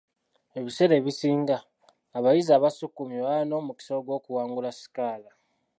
Ebiseera ebisinga, abayizi abasukkulumye baba n'omukisa ogw'okuwangula sikaala.